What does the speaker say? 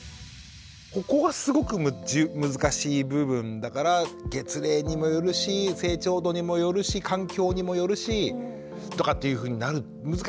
ここがすごく難しい部分だから月齢にもよるし成長度にもよるし環境にもよるしとかっていうふうになる難しい話なんです今日は。